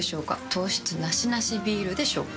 糖質ナシナシビールでしょうか？